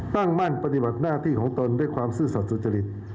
ตั้งมั่นปฏิบัติหน้าที่ของตนด้วยความซื่อสัตว์สุจริต